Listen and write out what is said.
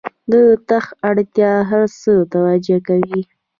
د تخت اړتیا هر څه توجیه کوي.